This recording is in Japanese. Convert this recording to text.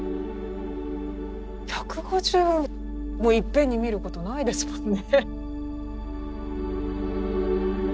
１５０もいっぺんに見ることないですもんね。